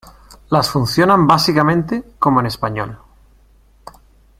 Las funcionan básicamente como en español.